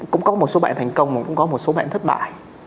cũng có một số bạn thành công mà cũng có một số bạn thất bại